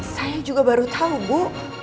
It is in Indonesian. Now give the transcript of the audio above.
saya juga baru tahu bu